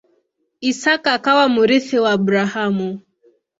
Isaka akawa mrithi wa Abrahamu.